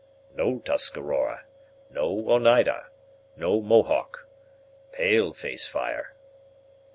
"No Tuscarora no Oneida no Mohawk pale face fire."